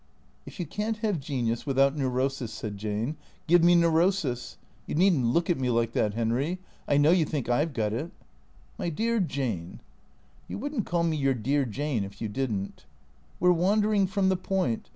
" If you can't have genius without neurosis," said Jane, " give me neurosis. You need n't look at me like that, Henry. I know you think I 've got it." " My dear Jane "" You would n't call me your dear Jane if you did n't." " We 're wandering from the point.